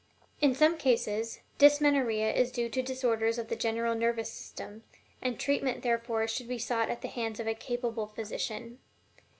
In some cases Dysmenorrhea is due to disorders of the general nervous system, and treatment therefore should be sought at the hands of a capable physician.